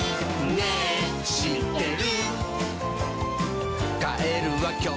「ねぇしってる？」